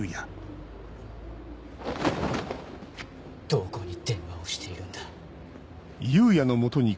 どこに電話をしているんだ？